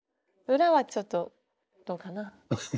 裏はちょっとどうかな。